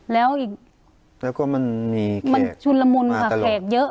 แล้วก็มันมีแขกมาตลอดมันชุนละมุนค่ะแขกเยอะ